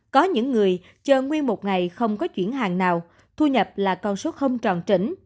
có những người chờ nguyên một ngày không có chuyển hàng nào thu nhập là con số không tròn chỉnh